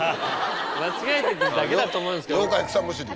間違えてるだけだと思うんですけど。